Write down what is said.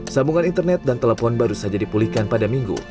sambungan internet dan telepon baru saja dipulihkan pada minggu